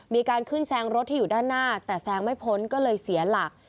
มีการขึ้นแซงรถที่อยู่ด้านหน้าแต่แซงไม่พ้นก็เลยเสียหลัก